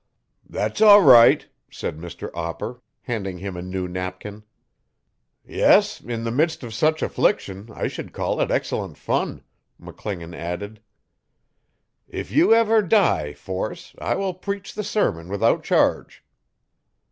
'That's all right,' said Mr Opper, handing him a new napkin. 'Yes, in the midst of such affliction I should call it excellent fun, McClingan added. 'If you ever die, Force, I will preach the sermon without charge.